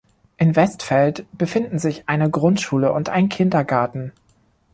In Westfeld befinden sich eine Grundschule und ein Kindergarten.